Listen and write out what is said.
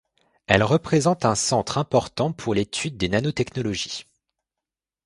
Elle représente un centre important pour l'étude des nanotechnologies.